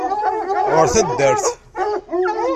Ɣer taddart.